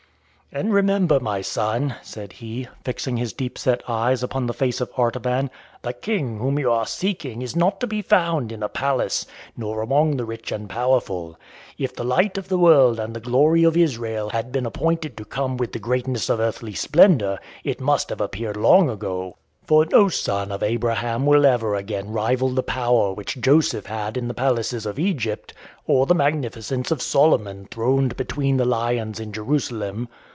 "And remember, my son," said he, fixing his deep set eyes upon the face of Artaban, "the King whom you are seeking is not to be found in a palace, nor among the rich and powerful. If the light of the world and the glory of Israel had been appointed to come with the greatness of earthly splendour, it must have appeared long ago. For no son of Abraham will ever again rival the power which Joseph had in the palaces of Egypt, or the magnificence of Solomon throned between the lions in Jerusalem.